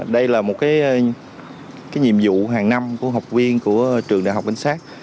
đây là một nhiệm vụ hàng năm của học viên của trường đại học vinh sát